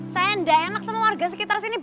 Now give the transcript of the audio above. saya tidak enak sama warga sekitar sini